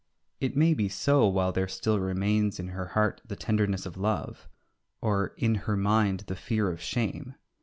Ulysses. It may be so while there still remains in her heart the tenderness of love, or in her mind the fear of shame.